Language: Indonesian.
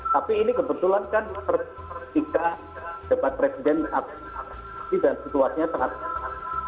tapi ini kebetulan kan ketika debat presiden dan situasinya sangat besar